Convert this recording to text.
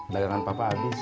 nah dengan papa abis